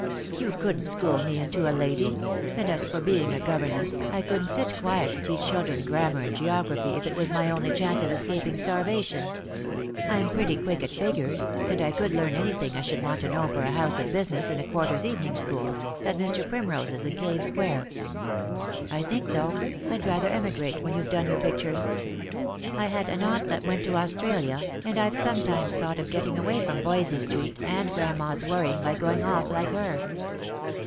You couldn't school me into a lady ; and as for being a governess, I couldn't sit quiet to teach children grammar and geography if it was my only chance of escaping starvation. I'm pretty quick at figures, and I could learn anything I should want to know for a house of business in a quarter's evening school — at Mr. Primrose's in Cave square. I think, though, I'd rather emigrate when you've done your pictures. I had an aunt that went to Australia, and I've sometimes thought of getting away from Voysey street and grandma's worrying by going off like her."